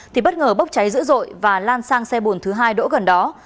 thì bất ngờ bốc cháy dữ dội và lan sang xe bồn thứ hai đỗ gần đó